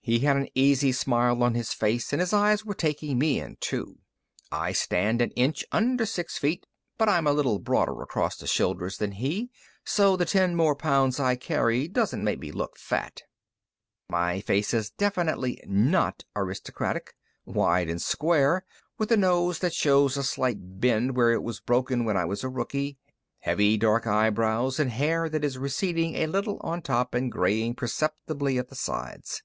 He had an easy smile on his face, and his eyes were taking me in, too. I stand an inch under six feet, but I'm a little broader across the shoulders than he, so the ten more pounds I carry doesn't make me look fat. My face is definitely not aristocratic wide and square, with a nose that shows a slight bend where it was broken when I was a rookie, heavy, dark eyebrows, and hair that is receding a little on top and graying perceptibly at the sides.